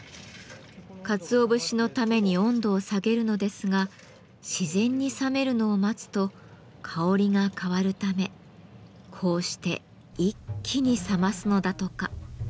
かつお節のために温度を下げるのですが自然に冷めるのを待つと香りが変わるためこうして一気に冷ますのだとか。